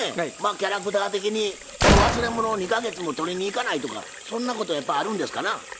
キャラクター的にこの忘れ物を２か月も取りに行かないとかそんなことやっぱあるんですかな？